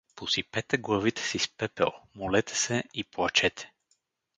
Посипете главите си с пепел, молете се и плачете!